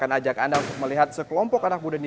dan nanti saya akan ajak anda melihat sekelompok anak buddhani